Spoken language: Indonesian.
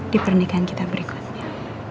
di pernikahan kita berikutnya